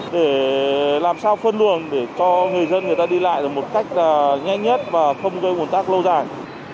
để làm sao phân luồng để cho người dân người ta đi lại được một cách nhanh nhất và không gây ồn tắc lâu dài